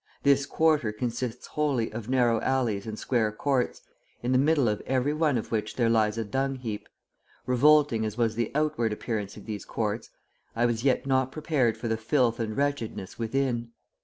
This quarter consists wholly of narrow alleys and square courts, in the middle of every one of which there lies a dung heap. Revolting as was the outward appearance of these courts, I was yet not prepared for the filth and wretchedness within.